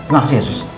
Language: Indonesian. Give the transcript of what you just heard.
makasih ya sus